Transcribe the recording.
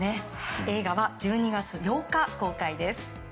映画は１２月８日公開です。